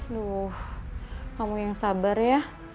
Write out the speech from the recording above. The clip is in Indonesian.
aduh kamu yang sabar ya